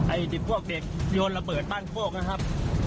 ไอ้พวกเด็กโยนระเบิดบ้านโคกนะครับ